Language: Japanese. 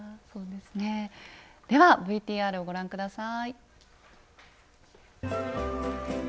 ではＶＴＲをご覧下さい。